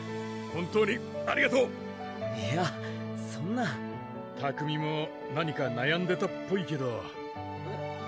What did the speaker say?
本当にありがとういやそんな拓海も何かなやんでたっぽいけどえっ？